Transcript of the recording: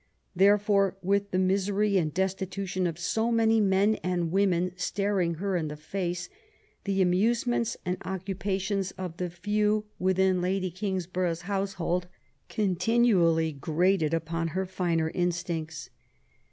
Therefore, with the misery and destitution of so many men and women staring her in the face, the amuse ments and occupations of the few within Lady Kings borough's household continually grated upon her finer instincts.